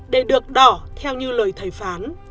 để được đỏ theo như lời thầy phán